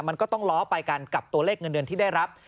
มันก็ต้องล้อไปกันกับตัวเลขเงินเดือนที่ได้รับ